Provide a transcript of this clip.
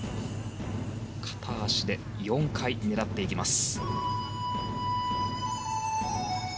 片足で４回狙っていきます。